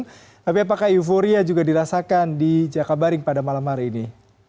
tapi apakah euforia juga dirasakan di jakabaring pada malam hari ini